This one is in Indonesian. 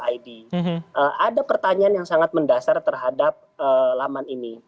ada pertanyaan yang sangat mendasar terhadap laman ini